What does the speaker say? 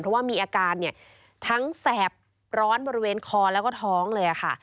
เพราะว่ามีอาการเนี่ยทั้งแสบร้อนบริเวณคอแล้วก็ท้องเลยค่ะ